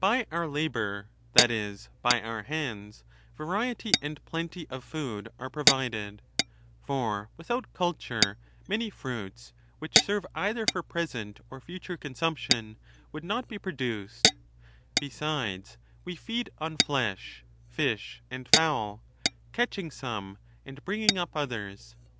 THE NATURE OF THE GODS. 313 By our labor, that is, by our hands, variety and plenty of food are provided ; for, without culture, many fruits, which serve either for present or future consumption, would not be produced ; besides, we feed on flesh, fish, and fowl, catching some, and bringing up others.